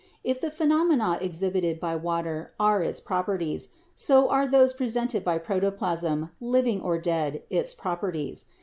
If the phe nomena exhibited by water are its properties, so are those presented by protoplasm, living or dead, its properties.